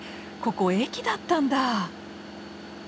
ここ駅だったんだ。